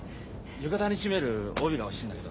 浴衣に締める帯が欲しいんだけど。